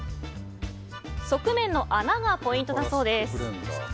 側面の穴がポイントだそうです。